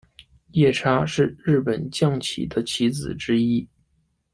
夜叉是日本将棋的棋子之一。